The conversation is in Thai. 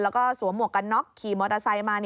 แล้วก็สวมหมวกกันน็อกขี่มอเตอร์ไซค์มา